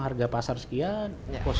harga pasar sekian